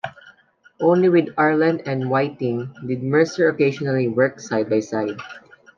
Only with Arlen and Whiting did Mercer occasionally work side-by-side.